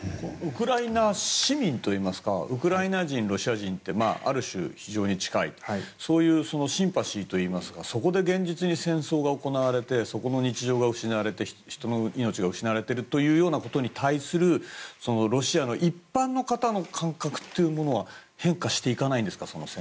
ウクライナ市民といいますかウクライナ人とロシア人ってある種、非常に近いそういうシンパシーといいますかそこで現実に戦争が行われてその日常が失われて人の命が失われていることに対するロシアの一般の方の感覚というのは変化していかないんですか？